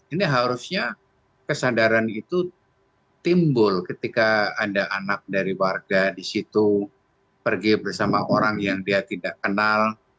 ini harusnya kesadaran itu timbul ketika ada anak dari warga di situ pergi bersama orang yang dia tidak kenal